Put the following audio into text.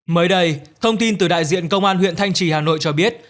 mới đây thông tin từ đại diện công an huyện thanh trì hà nội cho biết